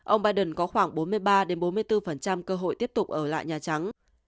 ông biden có khoảng bốn mươi ba bốn mươi bốn cơ hội tiếp tục ở lại nhà trắng